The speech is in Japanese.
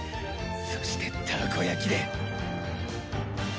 そしてたこやきで。